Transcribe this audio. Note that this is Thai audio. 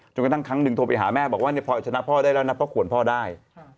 กระทั่งครั้งหนึ่งโทรไปหาแม่บอกว่าพอชนะพ่อได้แล้วนะพ่อขวนพ่อได้